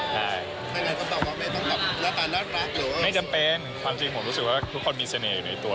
แล้วก็ต้องตอบว่าไม่ต้องตอบ